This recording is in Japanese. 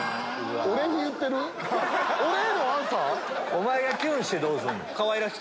おまえがキュンしてどうすんねん。